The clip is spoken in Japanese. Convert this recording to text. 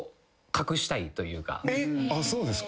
えっそうですか。